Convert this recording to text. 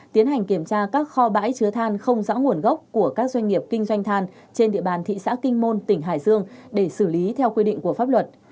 tiến hành kiểm tra các kho bãi chứa than không rõ nguồn gốc của các doanh nghiệp kinh doanh than trên địa bàn thị xã kinh môn tỉnh hải dương để xử lý theo quy định của pháp luật